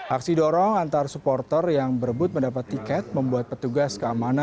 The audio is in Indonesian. aksi dorong antar supporter yang berebut mendapat tiket membuat petugas keamanan